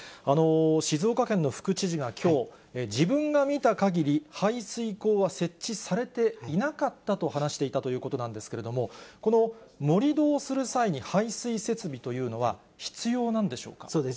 静岡県の副知事がきょう、自分が見たかぎり、排水口は設置されていなかったと話していたということなんですけれども、この盛り土をする際に、排水設備そうです。